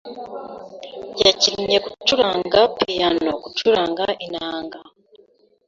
Yakinnye gucuranga piyano gucuranga inanga.